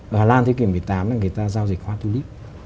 ở hà lan thế kỷ một mươi tám là người ta giao dịch hoa tulip